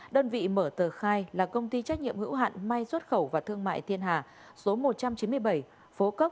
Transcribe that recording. đơn vị mở tờ khai là công ty trách nhiệm hữu hạn may xuất khẩu và thương mại thiên hà số một trăm chín mươi bảy phố cấp